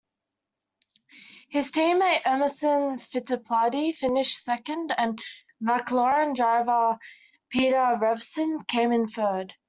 His teammate Emerson Fittipaldi finished second and McLaren driver Peter Revson came in third.